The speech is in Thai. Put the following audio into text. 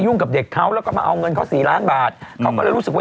กับเด็กเขาแล้วก็มาเอาเงินเขาสี่ล้านบาทเขาก็เลยรู้สึกว่า